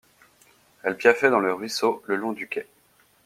Elles piaffaient dans le ruisseau, le long du quai.